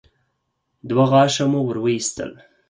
دوه غاښه مو ور وايستل.